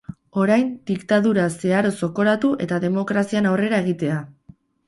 Orain diktadura zeharo zokoratu eta demokrazian aurrera egitea.